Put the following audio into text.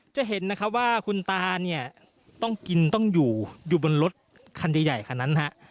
จะเห็นว่าคุณตาต้องกินต้องอยู่อยู่บนรถคันใหญ่คนนั้น